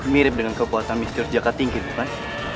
mirip dengan kekuatan mister jakating itu kan